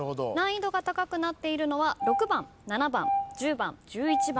難易度が高くなっているのは６番７番１０番１１番です。